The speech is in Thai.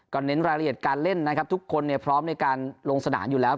เน้นรายละเอียดการเล่นนะครับทุกคนเนี่ยพร้อมในการลงสนามอยู่แล้ว